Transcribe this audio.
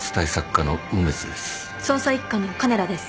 捜査一課の鐘羅です。